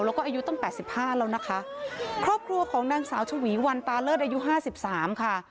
แล้วก็อายุตั้งแปดสิบห้าแล้วนะคะครอบครัวของนางสาวชวีวันตาเลิศอายุห้าสิบสามค่ะ